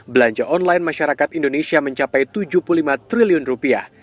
belanja online masyarakat indonesia mencapai tujuh puluh lima triliun rupiah